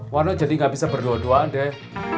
warno jadi gak bisa berdua duaan deh